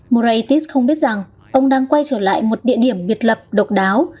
moraitis không biết rằng ông đang quay trở lại một địa điểm biệt lập độc đáo